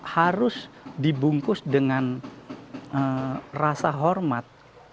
harus dibungkus dengan rasa hormat